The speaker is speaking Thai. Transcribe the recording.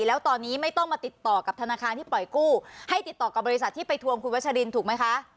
แล้วตอนนี้ไม่ต้องมาติดต่อกับธนาคารที่ปล่อยกู้ให้ติดต่อกับบริษัทที่ไปทวงคุณวัชรินถูกไหมคะ